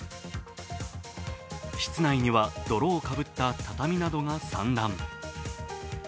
室内には泥をかぶった畳などが散乱。